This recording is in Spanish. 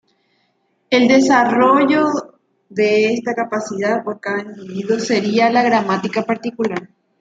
El desarrollo de esta capacidad por cada individuo sería la gramática particular.